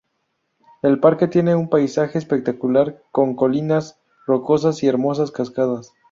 El parque tiene un paisaje espectacular con colinas rocosas y hermosas cascadas.